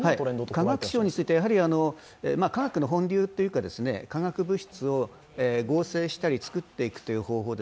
化学賞については、化学の本流というか、化学物質を合成したり作っていくという方法